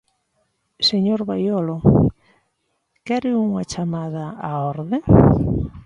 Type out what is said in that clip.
Señor Baiolo, ¿quere unha chamada á orde?